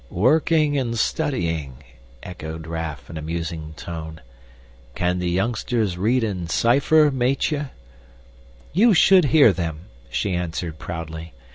"Working and studying," echoed Raff, in a musing tone. "Can the youngsters read and cipher, Meitje?" "You should hear them!" she answered proudly.